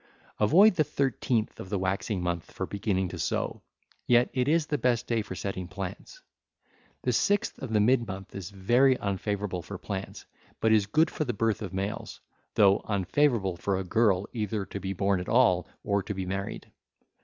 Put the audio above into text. (ll. 780 781) Avoid the thirteenth of the waxing month for beginning to sow: yet it is the best day for setting plants. (ll. 782 789) The sixth of the mid month is very unfavourable for plants, but is good for the birth of males, though unfavourable for a girl either to be born at all or to be married.